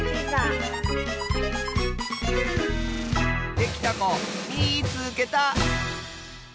できたこみいつけた！